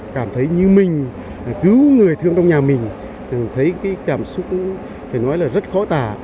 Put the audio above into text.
cảm thấy như mình cứu người thương trong nhà mình thấy cái cảm xúc phải nói là rất khó tả